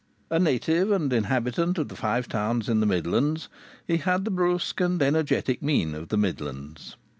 A native and inhabitant of the Five Towns in the Midlands, he had the brusque and energetic mien of the Midlands.